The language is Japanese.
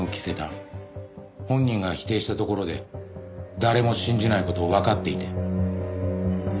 本人が否定したところで誰も信じない事をわかっていて。